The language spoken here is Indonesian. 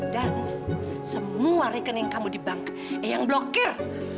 dan semua rekening kamu di bank eyang blokir